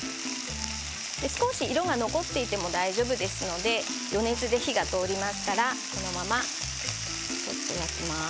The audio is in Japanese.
少し色が残っていても大丈夫ですので余熱で火が通りますからこのまま焼きます。